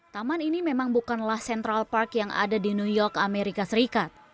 taman ini memang bukanlah central park yang ada di new york amerika serikat